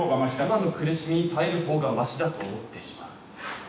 「今の苦しみに耐えるほうがましだと思ってしまう」